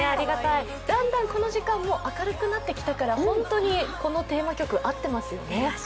だんだんこの時間も明るくなってきたからこのテーマ曲合っていますよね。